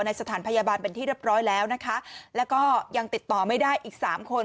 สถานพยาบาลเป็นที่เรียบร้อยแล้วนะคะแล้วก็ยังติดต่อไม่ได้อีกสามคน